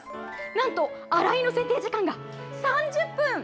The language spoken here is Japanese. なんと、洗いの設定時間が３０分。